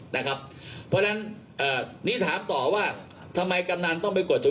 นะครับเพราะฉะนั้นเอ่อนี่ถามต่อว่าทำไมกรรมนั้นต้องไปกด